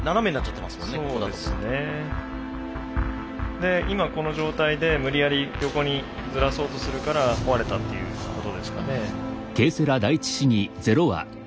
で今この状態で無理やり横にずらそうとするから壊れたっていうことですかね。